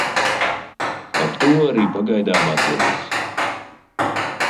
Ar to arī pagaidām atvados.